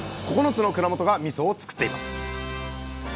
９つの蔵元がみそをつくっています。